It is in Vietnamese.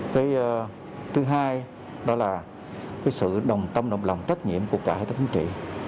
cái thứ hai đó là cái sự đồng tâm đồng lòng trách nhiệm của cả hệ thống chính trị